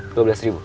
dua belas ribu